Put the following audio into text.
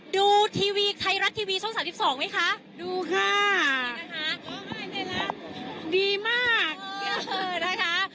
ดูทีวีไทยรัฐทีวีช่องสามสิบสองไหมคะดูค่ะดีมากเออนะคะ